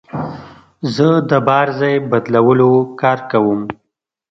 زه د بار ځای بدلولو کار کوم.